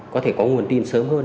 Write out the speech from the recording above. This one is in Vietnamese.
có thể có nguồn tin sớm hơn